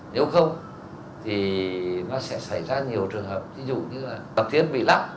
nếu không thì nó sẽ xảy ra nhiều trường hợp ví dụ như là tập thiết bị lắc